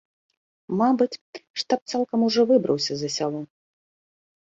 Мабыць, штаб цалкам ужо выбраўся за сяло.